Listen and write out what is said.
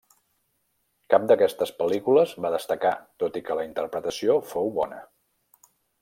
Cap d'aquestes pel·lícules va destacar tot i que la interpretació fou bona.